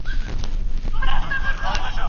په چینه کې د رنګونو د عطرونو